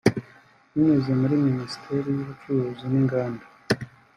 binyuze muri Minisiteri y’Ubucuruzi n’Inganda